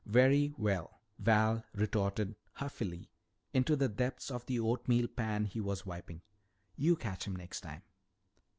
"Very well," Val retorted huffily into the depths of the oatmeal pan he was wiping, "you catch him next time."